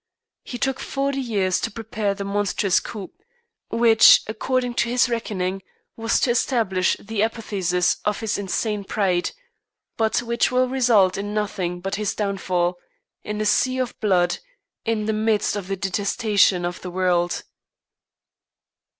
He took forty years to prepare the monstrous coup, which, according to his reckoning, was to establish the apotheosis of his insane pride, but which will result in nothing but his downfall, in a sea of blood, in the midst of the detestation of the world.